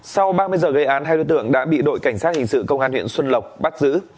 sau ba mươi giờ gây án hai đối tượng đã bị đội cảnh sát hình sự công an huyện xuân lộc bắt giữ